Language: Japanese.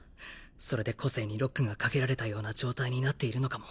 それで個性にロックが掛けられたような状態になっているのかも。